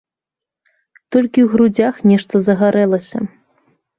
Толькі ў грудзях нешта загарэлася.